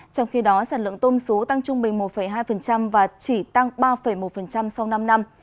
trong khi đó sản lượng tôm sú tăng trung bình một hai và chỉ tăng ba một sau năm năm